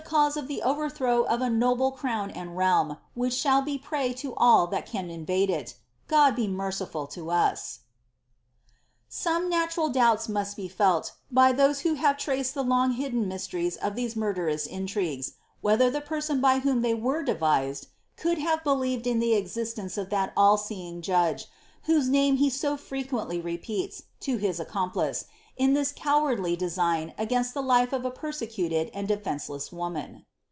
cauiB of lli« ovettliraw at a noble crown uitl realm, wliicli atuJI lui * pny lo nit ilnl esn invBclo ii. God Iw meti ifiil lo m'.' ' Some natural doubts must be felt, by those who have imced the long hidden mysteries of these munleroiis intrigues, whether (he person by whom they were devised, could have beheved in the existence of that all seeing Judge, whose name he so frequently repeals to his accom plice, in this cowardly design against tlie life of a persecuted and de fen eel ess. woman.